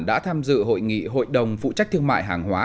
đã tham dự hội nghị hội đồng phụ trách thương mại hàng hóa